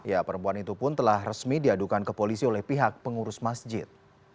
ya perempuan itu pun telah resmi diadukan ke polisi oleh pihak pengurus masjid